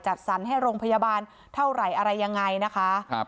จัดสรรให้โรงพยาบาลเท่าไหร่อะไรยังไงนะคะ